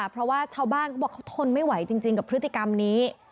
เพราะว่าชาวบ้านเขาบอกเขาทนไม่ไหวจริงกับพฤติกรรมนี้